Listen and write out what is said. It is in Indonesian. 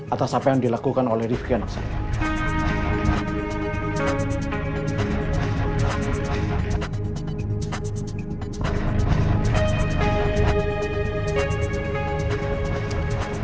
atas apa yang dilakukan oleh rifki anak saya